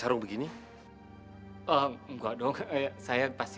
ampuni dosa allah